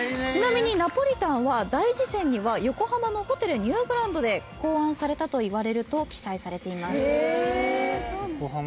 ちなみにナポリタンは『大辞泉』には「横浜のホテルニューグランドで考案されたといわれる」と記載されています。